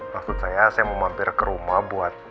maksud saya saya mau mampir ke rumah buat